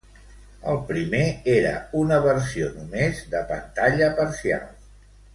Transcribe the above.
El primer era una versió només de pantalla parcial.